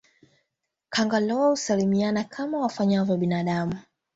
Kangaroo husalimiana kama wafanyavyo binadamu